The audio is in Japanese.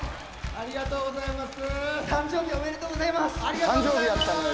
ありがとうございます！